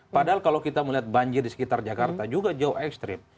padahal kalau kita melihat banjir di sekitar jakarta juga jauh ekstrim